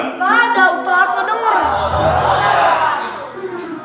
enggak ada aku dengar